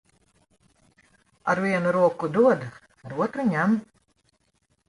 Ar vienu roku dod, ar otru ņem.